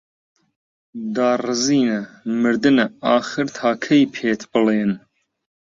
داڕزینە، مردنە، ئاخر هەتا کەی پێت بڵێن